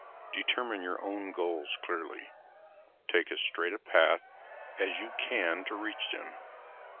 Determine your own goals clearly, and take as straight a path as you can to reach them.